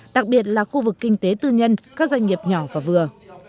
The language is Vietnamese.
đặc biệt là khu vực kinh tế tư nhân các doanh nghiệp nhỏ và vừa